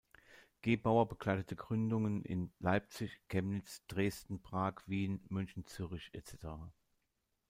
Gebauer begleitete Gründungen in Leipzig, Chemnitz, Dresden, Prag, Wien, München, Zürich etc.